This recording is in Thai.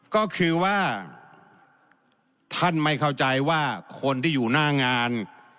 ก็คือว่าท่านไม่เข้าใจว่าคนที่อยู่หน้างาน